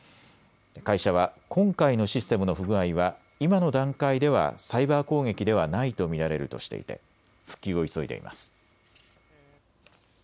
会社は今回のシステムの不具合は今の段階ではサイバー攻撃ではないと見られるとしていて復旧を急いでいます。